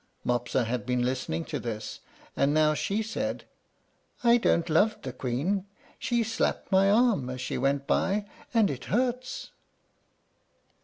Mopsa had been listening to this, and now she said, "I don't love the Queen. She slapped my arm as she went by, and it hurts."